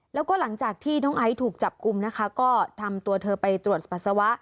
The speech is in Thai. แล้วก็หลังจากที่น้องไอซ์ถูกจับกลุ่มนะคะก็ทำตัวเธอไปตรวจปัสสาวะ